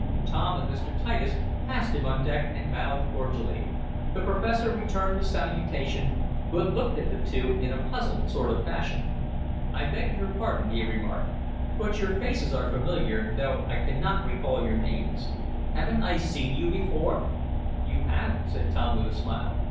Tom and Mr. Titus passed him on deck, and bowed cordially. The professor returned the salutation, but looked at the two in a puzzled sort of fashion. "I beg your pardon," he remarked, "but your faces are familiar, though I cannot recall your names. Haven't I seen you before?" "You have," said Tom, with a smile.